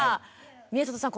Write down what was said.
宮里さん